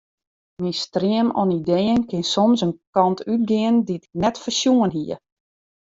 Myn stream oan ideeën kin soms in kant útgean dy't ik net foarsjoen hie.